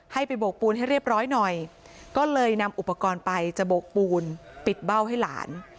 ให้ไปโบกปูนให้เรียบร้อยหน่อยก็เลยนำอุปกรณ์ไปจะโบกปูนปิดเบ้าให้หลาน